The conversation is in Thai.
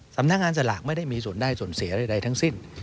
สำนักงานสลากไม่ได้มีส่วนได้ส่วนเสียใดทั้งสิ้น